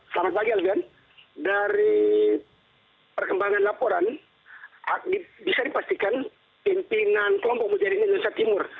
selamat pagi alvian dari perkembangan laporan bisa dipastikan pimpinan kelompok mujahidin indonesia timur